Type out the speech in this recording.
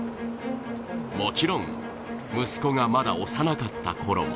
もちろん、息子がまだ幼かった頃も